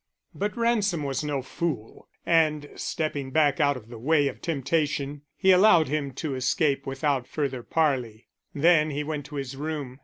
But Ransom was no fool and, stepping back out of the way of temptation, he allowed him to escape without further parley. Then he went to his room.